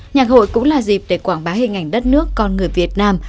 nhạc hội cũng là dịp để quảng bá hình ảnh đất nước con người việt nam